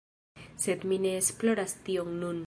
Sed mi ne esploras tion nun